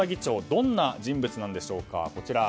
どんな人物なんでしょうか。